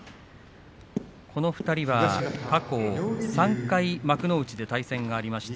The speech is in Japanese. この２人は過去３回幕内で対戦がありました。